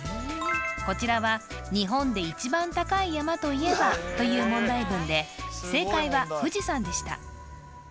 こちらは「日本で１番高い山といえば？」という問題文で正解は「富士山」でした